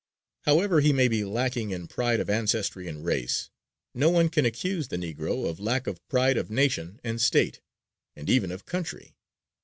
However he may be lacking in pride of ancestry and race, no one can accuse the Negro of lack of pride of Nation and State, and even of county.